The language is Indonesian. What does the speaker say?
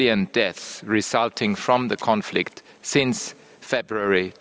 yang terjadi dari konflik sejak februari dua ribu dua puluh dua